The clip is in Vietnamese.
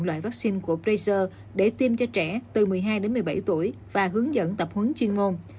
loại vaccine của pfizer để tiêm cho trẻ từ một mươi hai đến một mươi bảy tuổi và hướng dẫn tập hướng chuyên ngôn